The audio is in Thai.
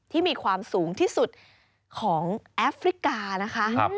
ที่มีความสูงที่สุดของแอฟริกานะคะ